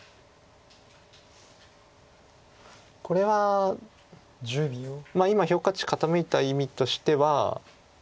これは今評価値傾いた意味としては。